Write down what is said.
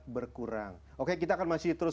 berkurang oke kita akan masih terus